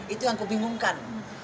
itu yang kubingungkan